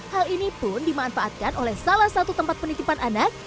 hal ini pun dimanfaatkan oleh salah satu tempat penitipan anak